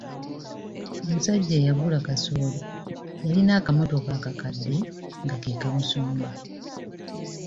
Omusajja eyagula kasooli yalina akamotoka akakadde nga ke kamusomba.